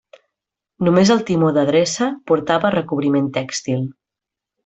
Només el timó d'adreça portava recobriment tèxtil.